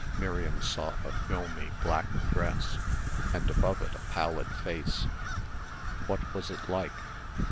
Miriam saw a filmy black dress, and above it a pallid face. What was it like?